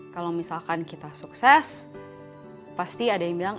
kalau misalkan kita sukses pasti ada yang bilang